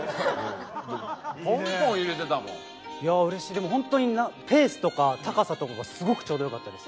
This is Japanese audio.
でも本当にペースとか高さとかがすごくちょうどよかったです。